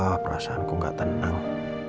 wah perasaanku gak tenang